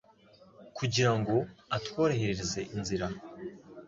kugira ngo atworohereze inzira.